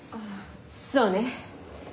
そうね。